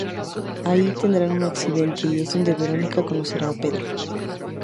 Allí, tendrán un accidente y es donde Veronica conocerá a Pedro.